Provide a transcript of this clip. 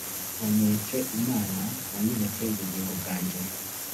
wanyeretse imana, wanyeretse ubugingo bwanjye